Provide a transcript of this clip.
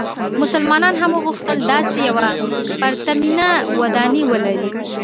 مسلمانانو هم وغوښتل داسې یوه پرتمینه ودانۍ ولري.